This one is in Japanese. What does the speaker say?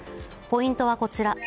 ポイントはこちら。